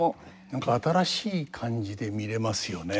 何か新しい感じで見れますよね。